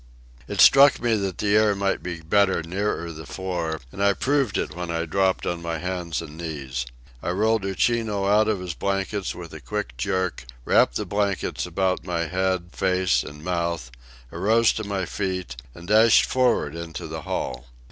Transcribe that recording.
It struck me that the air might be better nearer the floor, and I proved it when I dropped on my hands and knees. I rolled Uchino out of his blankets with a quick jerk, wrapped the blankets about my head, face, and mouth, arose to my feet, and dashed for'ard into the hall.